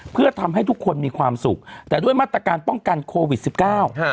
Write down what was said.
เพื่อทำให้ทุกคนมีความสุขแต่ด้วยมาตรการป้องกันโควิดสิบเก้าฮะ